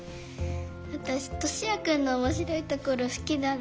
わたしトシヤくんのおもしろいところすきだな。